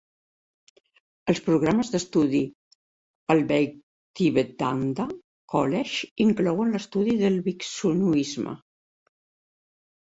Els programes d'estudi al Bhaktivedanta College inclouen l'estudi del vixnuisme.